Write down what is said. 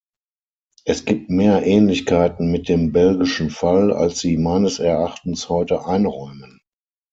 Es gibt mehr Ähnlichkeiten mit dem belgischen Fall, als Sie meines Erachtens heute einräumen.